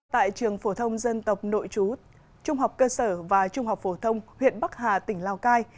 tại trường phổ thông dân tộc nội chú trung học cơ sở và trung học phổ thông huyện bắc hà tỉnh lào cai